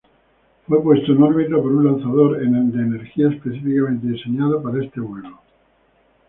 Fue puesto en órbita por un lanzador Energía específicamente diseñado para este vuelo.